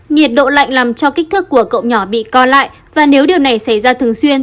nhiệt độ lạnh làm cho kích thước của cậu nhỏ bị co lại và nếu điều này xảy ra thường xuyên